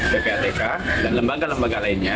ppatk dan lembaga lembaga lainnya